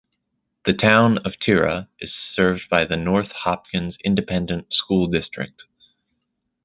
The Town of Tira is served by the North Hopkins Independent School District.